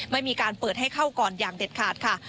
ไม่มีการเปิดให้เข้าก่อนอย่างเด็ดขาดค่ะ